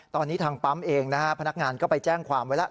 ตอนนี้ทางปั๊มเองนะฮะพนักงานก็ไปแจ้งความไว้แล้ว